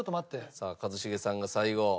さあ一茂さんが最後。